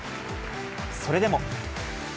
それでも。